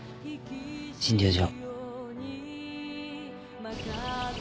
診療所。